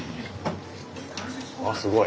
あすごい。